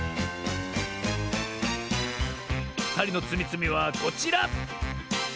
ふたりのつみつみはこちら！